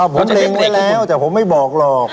ผมเล็งได้แล้วแต่ผมไม่บอกหรอก